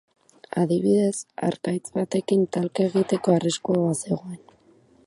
Adibidez, harkaitz batekin talka egiteko arriskua bazegoen.